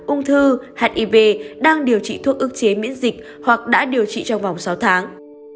ung thư hiv đang điều trị thuốc ước chế miễn dịch hoặc đã điều trị trong vòng sáu tháng